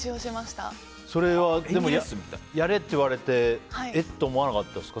それはやれって言われてえ？って思わなかったですか。